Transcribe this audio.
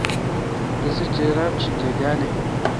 رسے جراب چینجاگال این۔